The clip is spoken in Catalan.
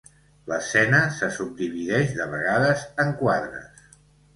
L'escena se subdivideix de vegades en quadres.